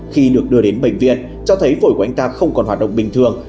khi được đưa đến bệnh viện cho thấy phổi của anh ta không còn hoạt động bình thường